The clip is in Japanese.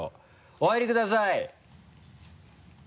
お入りください。